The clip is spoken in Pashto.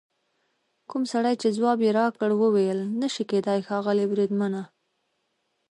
کوم سړي چې ځواب یې راکړ وویل: نه شي کېدای ښاغلي بریدمنه.